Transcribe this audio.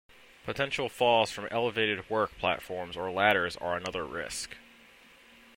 Potential falls from elevated work platforms or ladders are another risk.